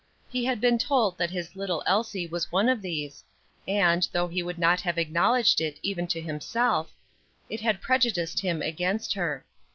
He had been told that his little Elsie was one of these, and, though he would not have acknowledged it even to himself, it had prejudiced him against her.